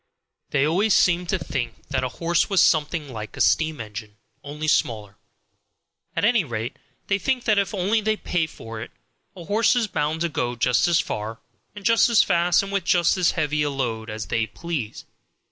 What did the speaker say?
They always seemed to think that a horse was something like a steam engine, only smaller. At any rate, they think that if only they pay for it a horse is bound to go just as far and just as fast and with just as heavy a load as they please.